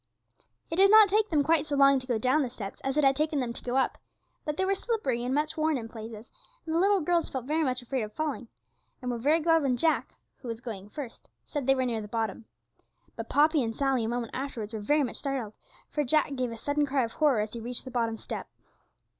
It did not take them quite so long to go down the steps as it had taken them to go up, but they were slippery and much worn in places, and the little girls felt very much afraid of falling, and were very glad when Jack, who was going first, said they were near the bottom. But Poppy and Sally a moment afterwards were very much startled, for Jack gave a sudden cry of horror as he reached the bottom step.